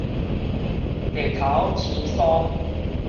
地頭生疏